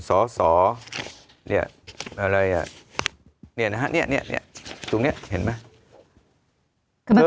สอสอเนี้ยอะไรอ่ะเนี้ยนะฮะเนี้ยเนี้ยเนี้ยตรงเนี้ยเห็นไหม